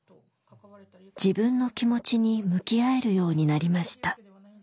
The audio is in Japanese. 自分の気持ちに向き合えるようになりました。